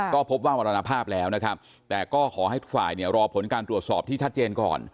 ก็พบว่ามรณภาพแล้วนะครับแต่ก็ขอให้ทุกฝ่ายเนี่ยรอผลการตรวจสอบที่ชัดเจนก่อน